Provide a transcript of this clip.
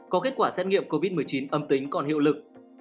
có kết quả xét nghiệm covid một mươi chín âm tính còn hiệu lực